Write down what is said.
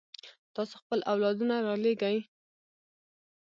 تاسو خپل اولادونه رالېږئ.